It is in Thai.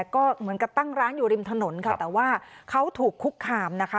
ก็เหมือนกับตั้งร้านอยู่ริมถนนค่ะแต่ว่าเขาถูกคุกคามนะคะ